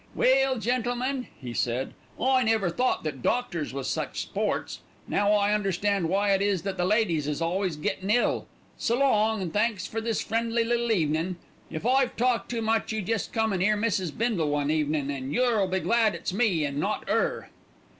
"Well, gentlemen," he said, "I never thought that doctors was such sports. Now I understand why it is that the ladies is always gettin' ill. S' long, and thanks for this friendly little evenin'. If I've talked too much you jest come and 'ear Mrs. Bindle one evenin' and yer'll be glad it's me and not 'er."